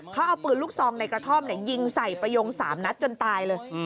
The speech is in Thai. เขาเอาปืนลูกซองในกระท่อมยิงใส่ประโยง๓นัดจนตายเลย